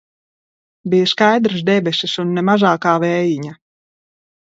Bija skaidras debesis un ne mazākā vējiņa.